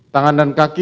tangan dan kaki